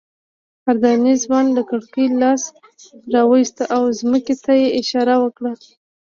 اردني ځوان له کړکۍ لاس راوویست او ځمکې ته یې اشاره وکړه.